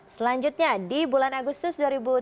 selanjutnya di bulan agustus dua ribu tujuh belas